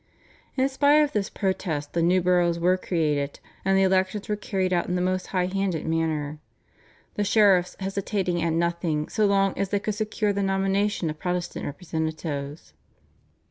In spite of this protest the new boroughs were created, and the elections were carried out in the most high handed manner, the sheriffs hesitating at nothing so long as they could secure the nomination of Protestant representatives.